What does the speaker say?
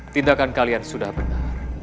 tidak akan kalian sudah benar